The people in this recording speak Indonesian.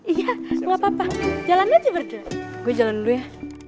iya nggak apa apa jalannya aja berdua gue jalan dulu ya